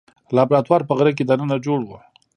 لابراتوار په غره کې دننه جوړ و.